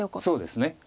そうですね。